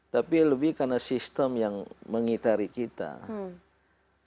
tapi lebih karena sistem yang mengitarikan